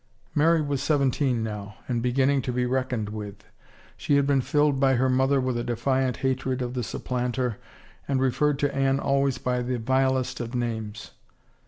Mary was seventeen now and be ginning to be reckoned with; she had been filled by her mother with a defiant hatred of the supplanter and re ferred to Anne always by the vilest of names.